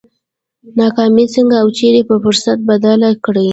ناکامي څنګه او چېرې پر فرصت بدله کړي؟